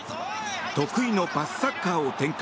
得意のパスサッカーを展開。